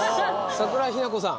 桜井日奈子さん。